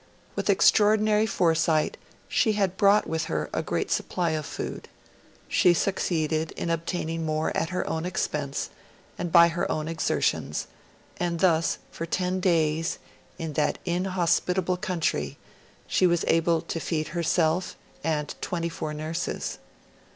With extraordinary foresight, she had brought with her a great supply of food; she succeeded in obtaining more at her own expense and by her own exertions; and thus for ten days, in that inhospitable country, she was able to feed herself and twenty four nurses.